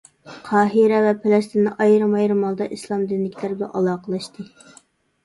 قاھىرە ۋە پەلەستىندە ئايرىم-ئايرىم ھالدا ئىسلام دىنىدىكىلەر بىلەن ئالاقىلەشتى.